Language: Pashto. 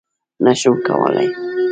_نه شم کولای.